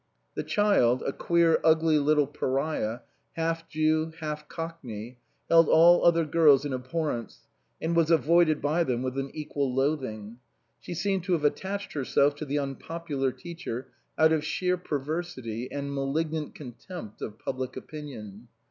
The child, a queer, ugly little pariah, half Jew, half Cockney, held all other girls in abhorrence, arid was avoided by them with an equal loathing. She seemed to have attached herself to the unpopular teacher out of sheer perversity and malignant contempt of public opinion.